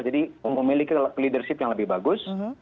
jadi memiliki leadership yang lebih bagus